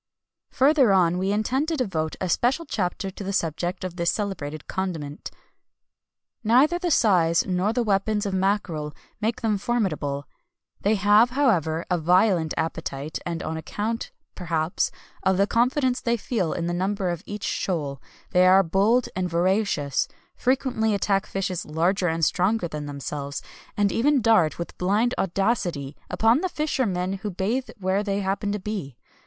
Further on, we intend to devote a special chapter to the subject of this celebrated condiment. "Neither the size nor the weapons of mackerel make them formidable; they have, however, a violent appetite, and on account, perhaps, of the confidence they feel in the number of each shoal, they are bold and voracious, frequently attack fishes larger and stronger than themselves, and even dart with blind audacity upon the fishermen who bathe where they happen to be.